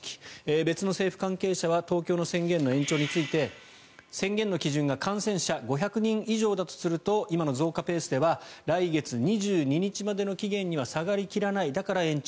別の政府関係者は東京の宣言の延長について宣言の基準が感染者５００人以上だとすると今の増加ペースでは来月２２日の期限までには下がり切らないだから延長。